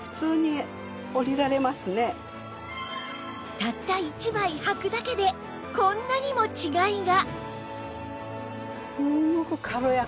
たった１枚はくだけでこんなにも違いが